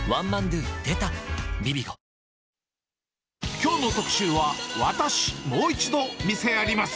きょうの特集は、私、もう一度店やります！